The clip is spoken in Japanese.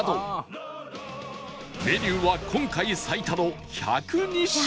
メニューは今回最多の１０２品